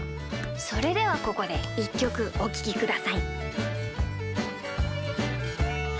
それではここでいっきょくおききください。